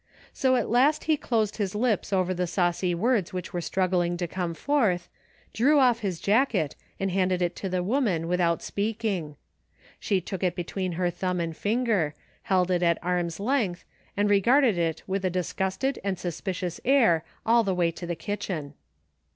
So at last he closed his lips over the saucy words which were strug gling to come forth, drew off his jacket, and handed it to the woman without speaking. She took it between her thumb and finger, held it at arm's length, and regarded it with a disgusted and suspicious air all the way to the kitchen.